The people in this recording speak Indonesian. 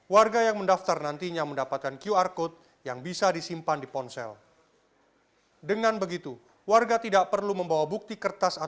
warga yang mendaftar nantinya mendapatkan pendataan non permanen yang berubah menjadi pendataan penduduk non permanen